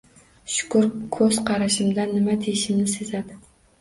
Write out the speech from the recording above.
Shukur, ko`z qarashimdan nima deyishimni sezadi